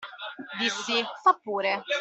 Dissi: "Fa' pure".